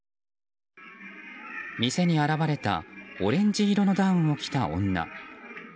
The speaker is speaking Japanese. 店に現れたオレンジ色のダウンを着た女。